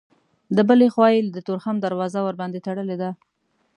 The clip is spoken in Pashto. له بلې خوا یې د تورخم دروازه ورباندې تړلې ده.